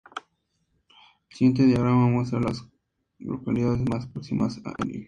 El siguiente diagrama muestra a las localidades más próximas a Elim.